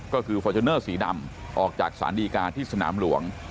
ก็คือฟอร์จูเนอร์สีดำออกจากศาลดีกาที่สนามหลวง